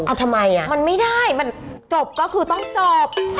เอาทำไมอ่ะมันไม่ได้มันจบก็คือต้องจบ